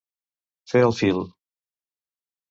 Fer el fil.